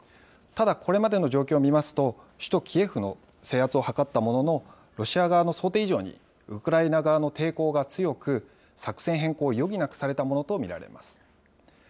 ただ、これまでの状況を見ますと、首都キエフの制圧を図ったものの、ロシア側の想定以上にウクライナ側の抵抗が強く、作戦変更を余儀なくされたものと見られます。